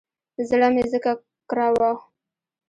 زړه مې ځکه کره و.